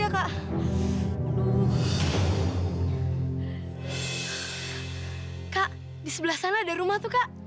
kak di sebelah sana ada rumah tuh kak